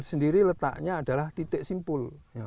sendiri letaknya adalah titik simpul